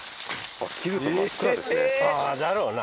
ああだろうな。